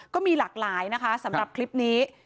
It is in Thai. ก็มีหลากหลายนะคะสำหรับคลิปนี้